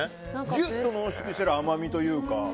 ギュッと濃縮してる甘みというか。